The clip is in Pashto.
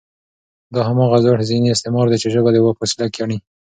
دا هماغه زوړ ذهني استعمار دی، چې ژبه د واک وسیله ګڼي